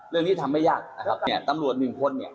เรื่องนี้ทำไม่ยากนะครับเนี่ยตำรวจหนึ่งคนเนี่ย